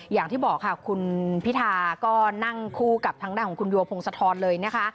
อย่างที่บอกค่ะคุณพิธาก็นั่งคู่กับทางด้านของคุณบัวพงศธรเลยนะคะ